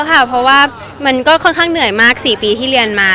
โล่งขึ้นเยอะค่ะเพราะว่ามันก็ค่อนข้างเหนื่อยมาก๔ปีที่เรียนมา